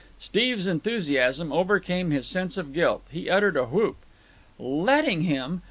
Steve's enthusiasm overcame his sense of guilt. He uttered a whoop. "Letting him!